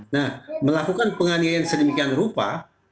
nah melakukan penganiayaan sedemikian rupa